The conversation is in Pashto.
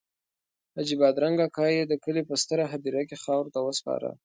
حاجي بادرنګ اکا یې د کلي په ستره هدیره کې خاورو ته وسپاره.